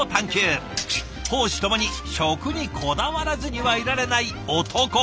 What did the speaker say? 公私ともに食にこだわらずにはいられない男。